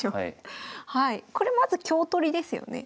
これまず香取りですよね。